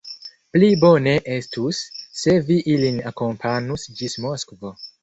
Pli bone estus, se vi ilin akompanus ĝis Moskvo.